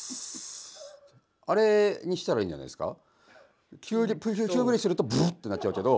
あれにしたらいいんじゃないですか？